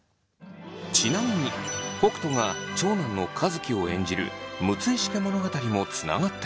ちなみに北斗が長男の和樹を演じる「六石家物語」もつながっています。